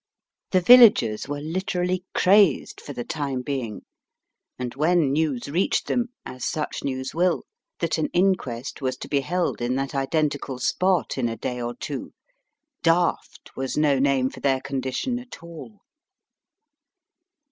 The villagers were literally crazed for the time being, and when news reached them, as such news will, that an inquest was to be held in that identical spot in a day or two, daft was no name for their condition at all.